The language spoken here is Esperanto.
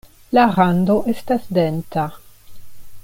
La rando estas denta.